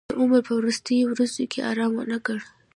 د عمر په وروستیو ورځو کې ارام ونه کړ.